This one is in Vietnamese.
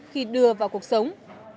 khi đưa vào cuộc sống